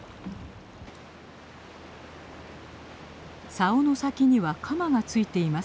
さおの先には鎌が付いています。